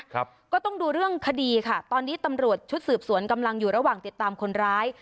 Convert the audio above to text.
ก็ต้องดูเรื่องคดีค่ะตอนนี้ตำรวจชุดสืบสวนกำลังอยู่ระหว่างติดตามคนร้าย